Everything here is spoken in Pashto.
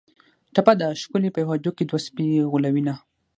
ټپه ده: ښکلي په یوه هډوکي دوه سپي غولوینه